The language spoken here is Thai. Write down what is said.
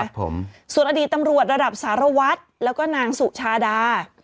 ผมส่วนอดีตตำรวจระดับสารวัตรแล้วก็นางสุชาดา